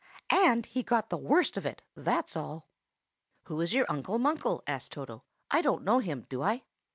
"And he got the worst of it, that's all." "Who is your Uncle Munkle?" asked Toto. "I don't know him, do I?"